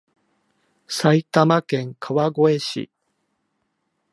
埼玉県川越市